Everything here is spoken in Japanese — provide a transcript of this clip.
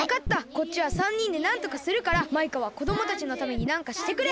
こっちは３にんでなんとかするからマイカはこどもたちのためになんかしてくれ！